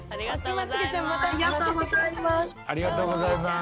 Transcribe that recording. ありがとうございます。